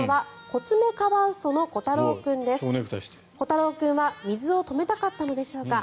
コタロー君は水を止めたかったのでしょうか。